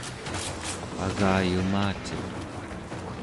agayumaciq